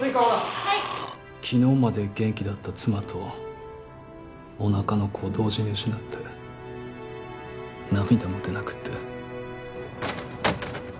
昨日まで元気だった妻とおなかの子を同時に失って涙も出なくって。